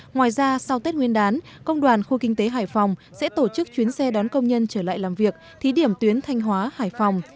ngoài ra sau tết nguyên đán công đoàn khu kinh tế hải phòng sẽ tổ chức chuyến xe đón công nhân trở lại làm việc thí điểm tuyến thanh hóa hải phòng